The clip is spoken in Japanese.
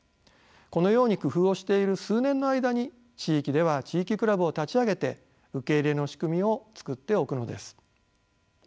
このように工夫をしている数年の間に地域では地域クラブを立ち上げて受け入れの仕組みを作っておくのです。